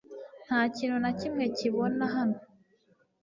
Nta kintu na kimwe kibona hano .